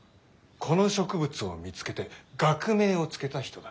この植物を見つけて学名を付けた人だ。